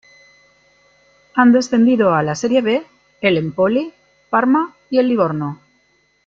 Han descendido a la Serie B el Empoli, Parma y el Livorno.